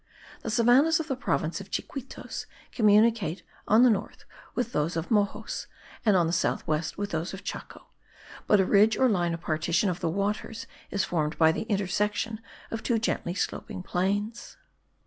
The savannahs of the province of Chiquitos communicate on the north with those of Moxos, and on the south with those of Chaco; but a ridge or line of partition of the waters is formed by the intersection of two gently sloping plains.